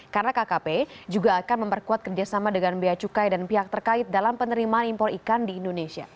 karena kkp juga akan memperkuat kerjasama dengan biaya cukai dan pihak terkait dalam penerimaan impor ikan di indonesia